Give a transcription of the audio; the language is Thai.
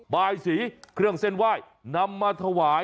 บายสีเครื่องเส้นไหว้นำมาถวาย